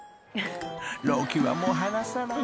［朗希はもう離さない。